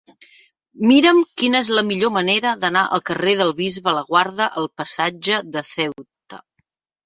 Mira'm quina és la millor manera d'anar del carrer del Bisbe Laguarda al passatge de Ceuta.